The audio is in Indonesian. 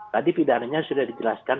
tadi pidananya sudah dijelaskan